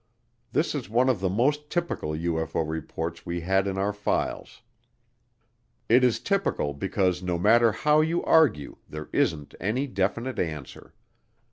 This is one of the most typical UFO reports we had in our files. It is typical because no matter how you argue there isn't any definite answer.